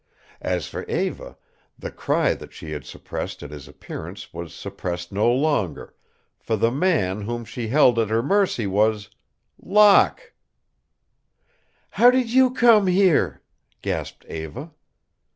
As for Eva, the cry that she had suppressed at his appearance was suppressed no longer, for the man whom she held at her mercy was Locke! "How did you come here?" gasped Eva.